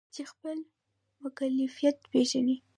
چې خپل مکلفیت پیژني.